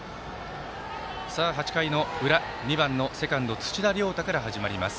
８回の裏、２番のセカンド土田亮太から始まります。